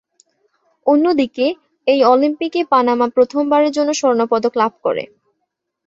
অন্যদিকে, এই অলিম্পিকে পানামা প্রথমবারের জন্য স্বর্ণ পদক লাভ করে।